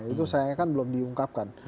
itu sayangnya kan belum diungkapkan